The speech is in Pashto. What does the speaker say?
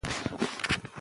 خوشالي ناهیلي کموي.